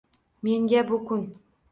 Menga bu kun